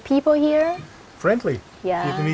có khi nó hơi ngon